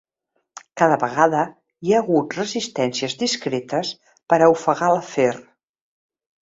Cada vegada hi ha hagut resistències discretes per a ofegar l'afer.